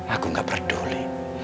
aku tidak peduli